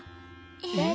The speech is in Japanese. えっ？